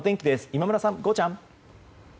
今村さん、ゴーちゃん。。